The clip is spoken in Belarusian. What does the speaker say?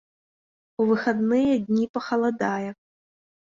У выхадныя дні пахаладае.